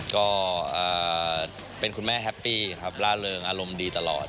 ก็เป็นคุณแม่แฮปปี้ครับล่าเริงอารมณ์ดีตลอด